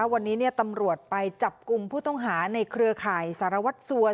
วันนี้ตำรวจไปจับกลุ่มผู้ต้องหาในเครือข่ายสารวัตรสัว